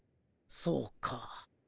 そうか。